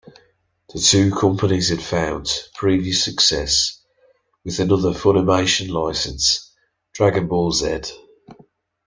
The two companies had found previous success with another Funimation license, "Dragon Ball Z".